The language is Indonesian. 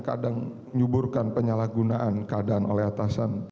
menyuburkan penyalahgunaan keadaan oleh atasan